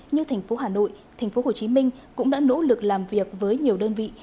như thành phố hà nội thành phố hồ chí minh cũng đã nỗ lực làm việc với nhiều đơn vị